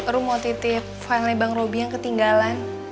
rom mau titip finally bang robby yang ketinggalan